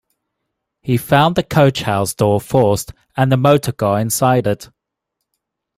He found the coach-house door forced and the motorcar inside it.